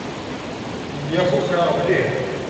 Lliɣ kukraɣ mliḥ.